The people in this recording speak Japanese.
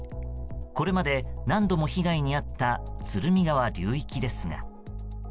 これまでに何度も被害に遭った鶴見川流域ですが。